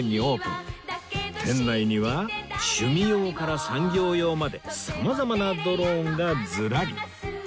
店内には趣味用から産業用まで様々なドローンがずらり